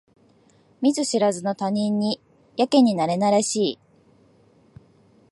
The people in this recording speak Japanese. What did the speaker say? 見ず知らずの他人にやけになれなれしい